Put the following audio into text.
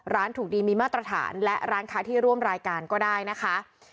ถูกดีมีมาตรฐานและร้านค้าที่ร่วมรายการก็ได้นะคะ